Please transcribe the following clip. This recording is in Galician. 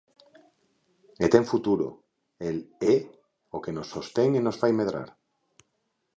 E ten futuro, el é o que nos sostén e nos fai medrar.